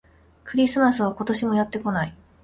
クリスマスが、今年もやってこない